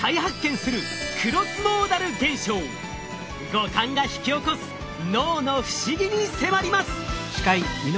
五感が引き起こす脳の不思議に迫ります！